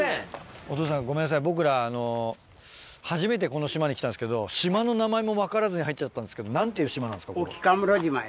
お父さんごめんなさい僕ら初めてこの島に来たんですけど島の名前も分からずに入っちゃったんですけど何ていう島なんですか？